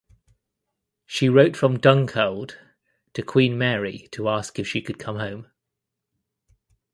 She wrote from Dunkeld to Queen Mary to ask if she could come home.